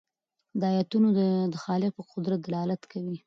دا آیتونه د خالق په قدرت دلالت کوي.